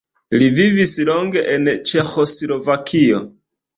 Li vivis longe en Ĉeĥoslovakio.